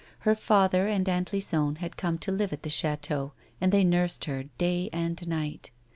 Her father and Aunt Lison had come to live at the chateau, and they nursed her day and night.